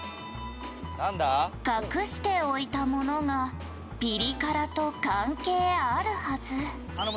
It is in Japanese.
「隠しておいたものがピリ辛と関係あるはず」